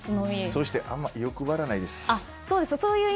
そして、あまり欲張らないです。